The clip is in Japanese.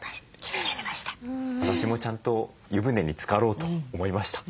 私もちゃんと湯船につかろうと思いました。